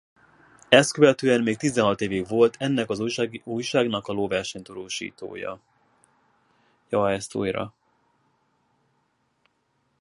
Ezt követően még tizenhat évig volt ennek az újságnak a lóverseny-tudósítója.